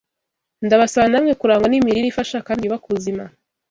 Ndabasaba namwe kurangwa n’imirire ifasha kandi yubaka ubuzima.